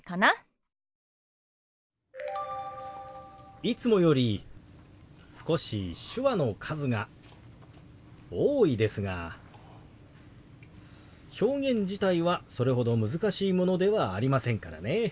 いつもより少し手話の数が多いですが表現自体はそれほど難しいものではありませんからね。